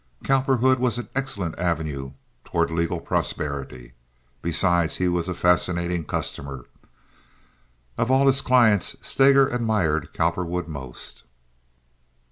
Cowperwood was an excellent avenue toward legal prosperity. Besides, he was a fascinating customer. Of all his clients, Steger admired Cowperwood most.